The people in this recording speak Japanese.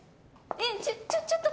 えっちょちょっと。